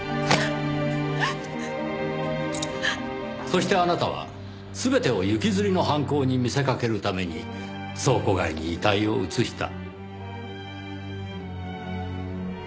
そしてあなたは全てを行きずりの犯行に見せかけるために倉庫街に遺体を移した。